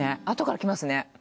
あとからきますね。